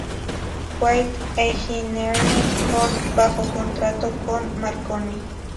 White Engineering Corp bajo contrato con Marconi.